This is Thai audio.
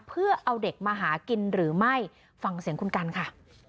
เพื่อเอาเด็กมาหากินหรือไม่ฟังเสียงคุณกันค่ะ